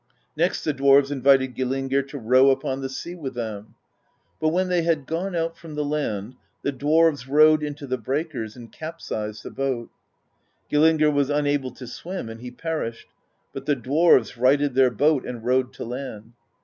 Next the dwarves invited Gillingr to row upon the sea with them; but when they had gone out from the land, the dwarves rowed into the breakers and capsized the boat. Gillingr was unable to swim, and he perished; but the dwarves righted their boat and rowed to land.